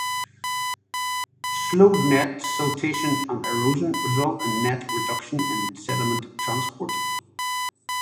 Slowed net siltation and erosion result in net reduction in sediment transport.